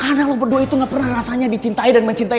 karena lo berdua itu gak pernah rasanya dicintai dan mencintai lo